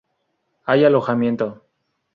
Hay alojamiento.